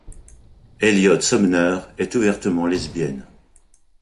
Eliot Sumner est ouvertement lesbienne.